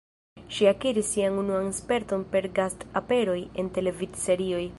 Ŝi akiris sian unuan sperton per gast-aperoj en televidserioj.